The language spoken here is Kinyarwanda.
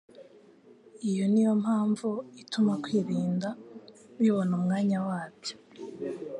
Iyo ni yo mpamvu ituma kwirinda bibona umwanya wabyo